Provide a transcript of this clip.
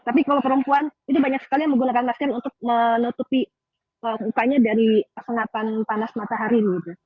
tapi kalau perempuan itu banyak sekali yang menggunakan masker untuk menutupi mukanya dari sengatan panas matahari